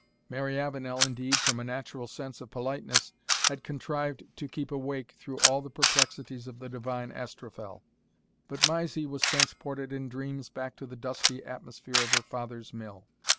Mary Avenel, indeed, from a natural sense of politeness, had contrived to keep awake through all the perplexities of the divine Astrophel; but Mysie was transported in dreams back to the dusty atmosphere of her father's mill.